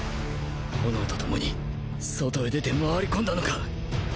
炎と共に外へ出て周り込んだのか！？